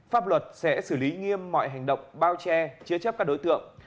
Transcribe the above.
pháp luật sẽ xử lý nghiêm mọi hành động bao che chứa chấp các đối tượng